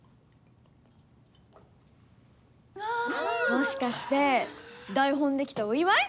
もしかして台本できたお祝い？